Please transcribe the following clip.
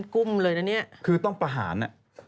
คือต้องประหาร